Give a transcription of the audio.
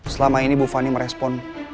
selama ini bu fani merespon